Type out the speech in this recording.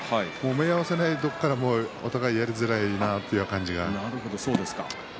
合わせないところからお互いやりづらいなという感じが分かります。